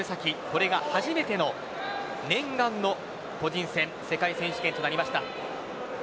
これが初めての念願の個人戦世界選手権となりました。